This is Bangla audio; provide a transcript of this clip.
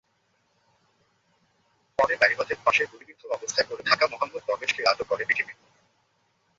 পরে বেড়িবাঁধের পাশে গুলিবিদ্ধ অবস্থায় পড়ে থাকা মোহাম্মদ দরবেশকে আটক করে বিজিবি।